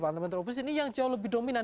parlemen terobos ini yang jauh lebih dominan